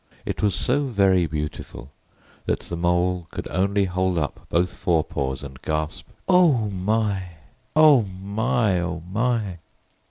It was so very beautiful that the Mole could only hold up both forepaws and gasp, "O my! O my! O my!"